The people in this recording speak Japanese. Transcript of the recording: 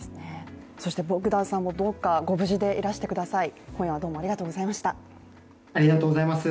ボグダンさんも、どうかご無事でいらしてください。